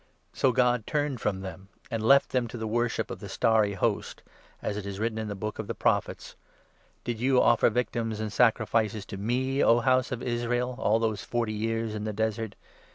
So God turned from them and left them to the worship of the 42 Starry Host, as is written in the Book of the Prophets —' Did you offer victims and sacrifices to me, O House of Israel, All those forty years in the Desert